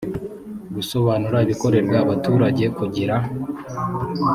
gusobanura ibikorerwa abaturage kugira